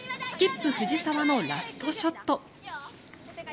スキップ、藤澤のラストショット。